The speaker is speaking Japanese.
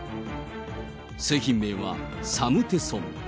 製品名はサムテソン。